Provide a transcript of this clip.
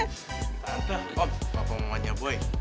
tante om apa omannya boy